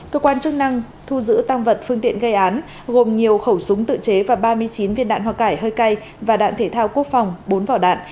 cơ quan chức năng thu giữ tăng vật phương tiện gây án gồm nhiều khẩu súng tự chế và ba mươi chín viên đạn hoa cải hơi cay và đạn thể thao quốc phòng bốn vỏ đạn